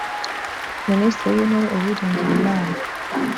minisitiri w intebe uwiringiyimana